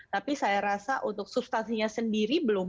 tapi saya rasa untuk substansinya sendiri belum